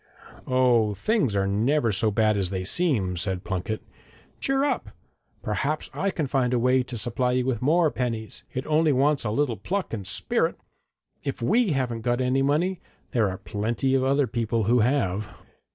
'Oh, things are never so bad as they seem,' said Plunket. 'Cheer up. Perhaps I can find a way to supply you with more pennies. It only wants a little pluck and spirit! If we haven't got any money, there are plenty of other people who have.'